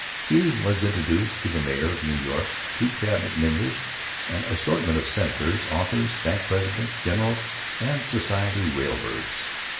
He was introduced to the mayor of New York, two Cabinet members, an assortment of Senators, authors, bank presidents, generals, and society rail birds.